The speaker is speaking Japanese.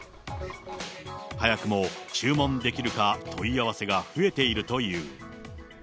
早くも注文できるか、問い合わせが増えているという。